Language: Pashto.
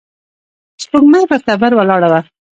سپوږمۍ پر تبر ولاړه وه.